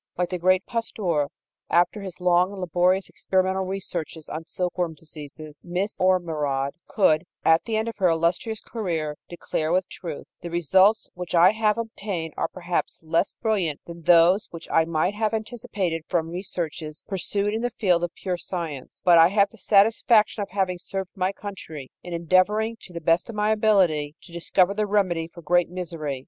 Like the great Pasteur, after his long and laborious experimental researches on silkworm diseases, Miss Ormerod could, at the end of her illustrious career, declare with truth: "The results which I have obtained are, perhaps, less brilliant than those which I might have anticipated from researches pursued in the field of pure science, but I have the satisfaction of having served my country in endeavoring, to the best of my ability, to discover the remedy for great misery.